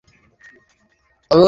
Leprechaun locker room, আসছি আমরা।